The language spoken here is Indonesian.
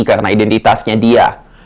karena identitasnya dia